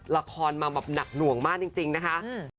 ละครมาแบบหนักหน่วงมากจริงนะคะ